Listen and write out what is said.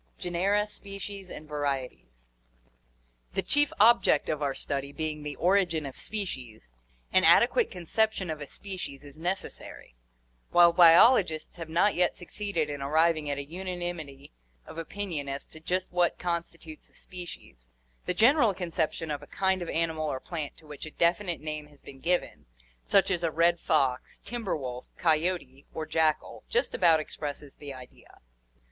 Genera, Species, and Varieties. — The chief object of our study being the origin of species, an adequate conception of a species is necessary. While biologists have not yet succeeded in arriving at a unanimity of opinion as to just what constitutes a species, the general conception of a kind of animal or plant to which a definite name has been given, such as a red fox, timber wolf, coyote, or jackal, just about expresses the idea.